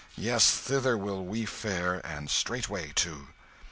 Yes, thither will we fare and straightway, too."